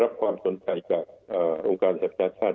รับความสนใจกับโลกการสถาปัญชาชาติ